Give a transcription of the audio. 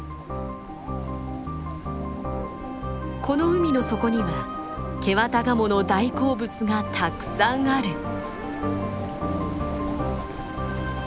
この海の底にはケワタガモの大好物がたくさんある。